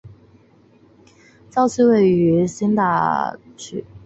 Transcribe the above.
教区位于辛吉达区。